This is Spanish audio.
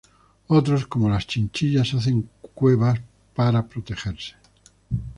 Otros, como las chinchillas, hacen cuevas para protegerse.